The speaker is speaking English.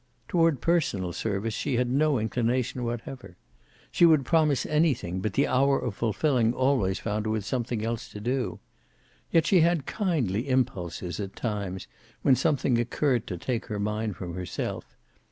Toward personal service she had no inclination whatever. She would promise anything, but the hour of fulfilling always found her with something else to do. Yet she had kindly impulses, at times, when something occurred to take her mind from herself.